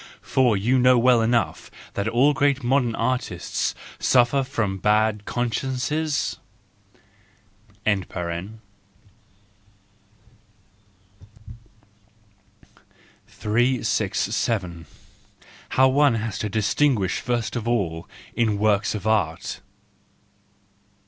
For you know well enough that all great modern artists suffer from bad consciences ? t ..) 328 THE JOYFUL WISDOM, V 367 . How one has to Distinguish first of all in Works of Art.